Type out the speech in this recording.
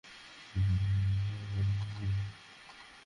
ওখানে এমন কনকনে শীত যে, গায়ে যেন ছুঁচ ফোটে।